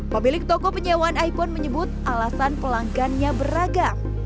pemilik toko penyewaan iphone menyebut alasan pelanggannya beragam